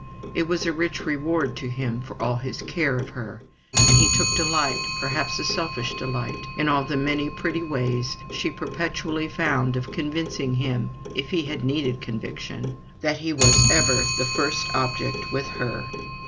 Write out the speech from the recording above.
It was a rich reward to him for all his care of her, and he took delight perhaps a selfish delight in all the many pretty ways she perpetually found of convincing him, if he had needed conviction, that he was ever the first object with her.